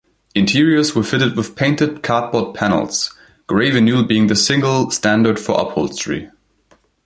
Interiors were fitted with painted cardboard panels-gray vinyl being the single standard for upholstery.